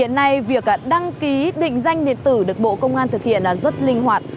trong ngày hôm nay việc đăng ký định danh điện tử được bộ công an thực hiện rất linh hoạt